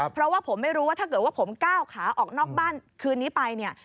เพราะว่าผมไม่รู้ว่าถ้าเกิดว่าผมก้าวขาออกนอกบ้านคืนนี้ไปเนี่ย